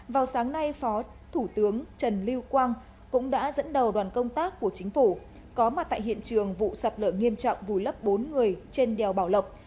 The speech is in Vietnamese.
vào sáng nay phó thủ tướng trần lưu quang cũng đã dẫn đầu đoàn công tác của chính phủ có mặt tại hiện trường vụ sạt lở nghiêm trọng vùi lấp bốn người trên đèo bảo lộc